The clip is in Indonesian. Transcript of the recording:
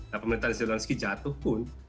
nah pemerintahan zelensky jatuh pun